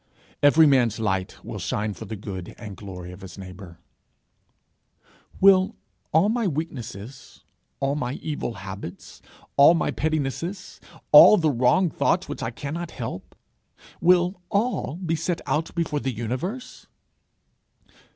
Every man's light will shine for the good and glory of his neighbour. 'Will all my weaknesses, all my evil habits, all my pettinesses, all the wrong thoughts which I cannot help will all be set out before the universe?'